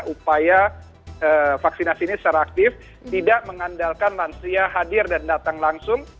upaya vaksinasi ini secara aktif tidak mengandalkan lansia hadir dan datang langsung